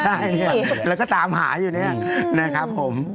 ใช่แล้วก็ตามหาอยู่นี่แหละนะครับผม